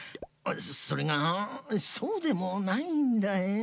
それがそうでもないんだよ。